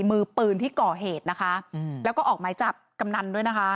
มือปืนที่ก่อเหตุนะคะอืมแล้วก็ออกหมายจับกำนันด้วยนะคะ